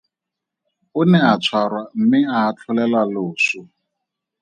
O ne a tshwarwa mme a atlholelwa loso.